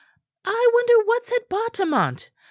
I wonder what's at bottom on't!